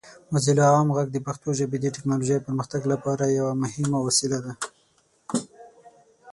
موزیلا عام غږ د پښتو ژبې د ټیکنالوجۍ پرمختګ لپاره یو مهم وسیله ده.